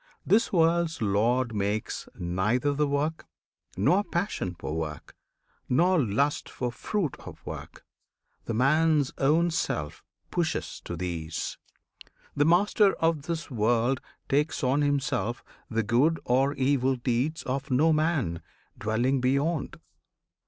This world's Lord makes Neither the work, nor passion for the work, Nor lust for fruit of work; the man's own self Pushes to these! The Master of this World Takes on himself the good or evil deeds Of no man dwelling beyond!